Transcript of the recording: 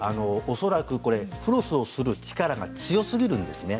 恐らくフロスをする力が強すぎるんですね。